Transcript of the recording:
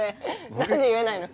何で言えないの？